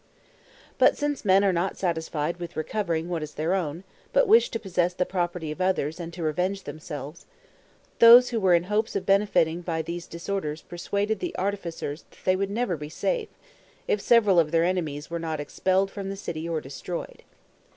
But since men are not satisfied with recovering what is their own, but wish to possess the property of others and to revenge themselves, those who were in hopes of benefiting by these disorders persuaded the artificers that they would never be safe, if several of their enemies were not expelled from the city or destroyed.